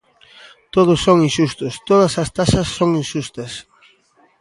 ¿Todos son inxustos, todas as taxas son inxustas?